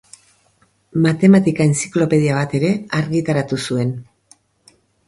Matematika-entziklopedia bat ere argitaratu zuen.